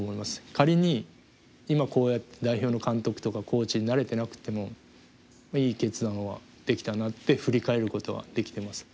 仮に今こうやって代表の監督とかコーチになれてなくてもいい決断はできたなって振り返ることはできてます。